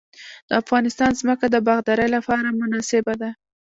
د افغانستان ځمکه د باغدارۍ لپاره مناسبه ده